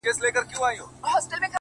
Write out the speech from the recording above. پرېميږده ؛ پرېميږده سزا ده د خداى؛